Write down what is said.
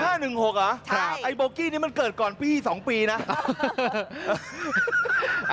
๒๕๑๖อะไอ้บอกคืนนี่มันเกิดก่อนปี๒ปีนะ